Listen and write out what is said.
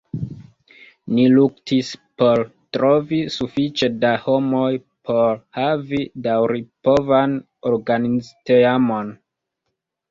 Ni luktis por trovi sufiĉe da homoj por havi daŭripovan organizteamon.